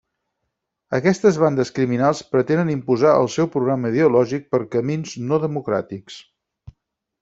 Aquestes bandes criminals pretenen imposar el seu programa ideològic per camins no democràtics.